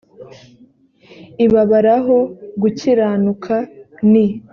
ibabaraho gukiranuka ni